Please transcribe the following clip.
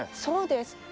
そうです。